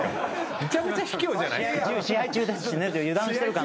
めちゃめちゃ卑怯じゃないですか。